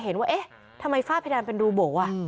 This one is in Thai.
เห็นว่าทำไมฝ้าพระแดนเป็นรูโบ๋อะ